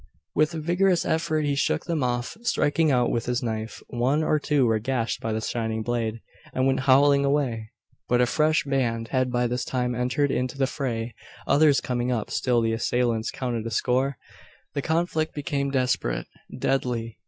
With a vigorous effort he shook them off, striking out with his knife. One or two were gashed by the shining blade, and went howling away. But a fresh band had by this time entered into the fray, others coming up, till the assailants counted a score. The conflict became desperate, deadly.